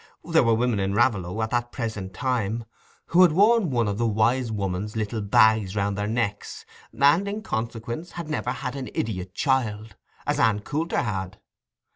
There were women in Raveloe, at that present time, who had worn one of the Wise Woman's little bags round their necks, and, in consequence, had never had an idiot child, as Ann Coulter had.